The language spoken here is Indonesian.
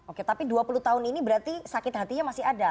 oke tapi dua puluh tahun ini berarti sakit hatinya masih ada